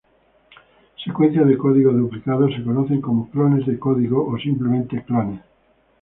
Secuencias de código duplicado se conocen como clones de código o simplemente clones.